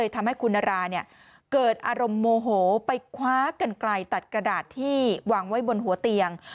ตัดกระดาษที่วางไว้บนหัวเตียง